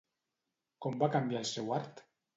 Com va canviar el seu art?